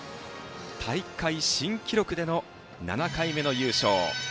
大会新記録での７回目の優勝。